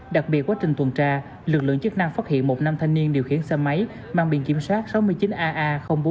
đặc biệt quá trình tuần tra lực lượng chức năng phát hiện một nam thanh niên điều khiển xe máy mang biện kiểm soát sáu mươi chín aa bốn nghìn chín trăm tám mươi tám